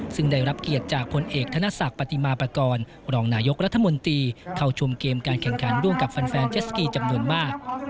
ซึ่งได้รับเกียรติจากพลเอกธนศักดิ์ปฏิมาปากรรองนายกรัฐมนตรีเข้าชมเกมการแข่งขันร่วมกับแฟนเจสกีจำนวนมาก